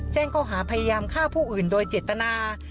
แจ้งเขาหาพยายามฆ่าผู้อื่นโดยเจตนา